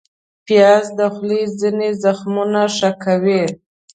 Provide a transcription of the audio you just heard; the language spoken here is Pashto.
پیاز د خولې ځینې زخمونه ښه کوي